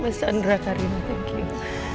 mas chandra karim thank you